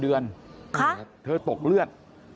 ตุ๊กเลือด